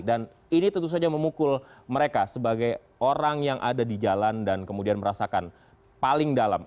ini tentu saja memukul mereka sebagai orang yang ada di jalan dan kemudian merasakan paling dalam